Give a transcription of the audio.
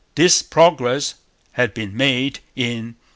] This 'progress' had been made in 1801.